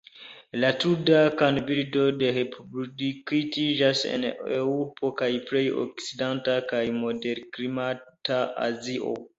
La Turda kanbirdo reproduktiĝas en Eŭropo kaj plej okcidenta kaj moderklimata Azio.